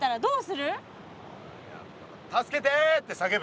「助けて」って叫ぶ。